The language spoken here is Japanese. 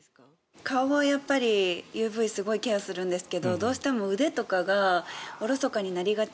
顔はやっぱりＵＶすごいケアするんですけどどうしても腕とかがおろそかになりがちで。